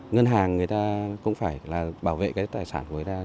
ngân hàng người ta cũng phải là bảo vệ cái tài sản của người ta